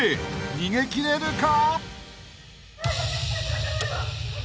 逃げ切れるか！？］